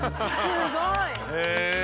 すごい。